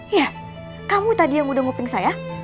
iya kamu tadi yang udah ngoping saya